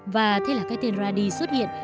và thế là cái tên radi xuất hiện